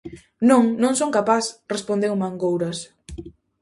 "Non, non son capaz", respondeu Mangouras.